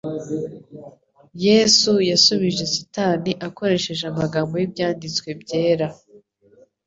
Yesu yasubije Satani akoresheje amagambo y'Ibyanditswe byera.